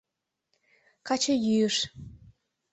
КАЧЫЙӰЫШ